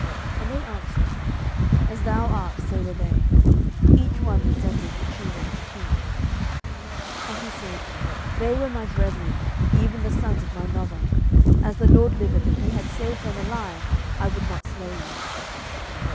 And they answered, As thou art, so were they; each one resembled the children of a king. 07:008:019 And he said, They were my brethren, even the sons of my mother: as the LORD liveth, if ye had saved them alive, I would not slay you.